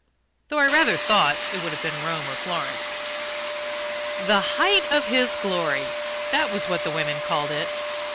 (Though I rather thought it would have been Rome or Florence.) "The height of his glory" that was what the women called it.